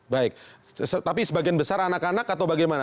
baik tapi sebagian besar anak anak atau bagaimana